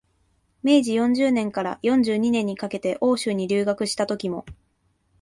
明治四十年から四十二年にかけて欧州に留学したときも、